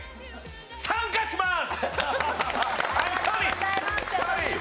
参加します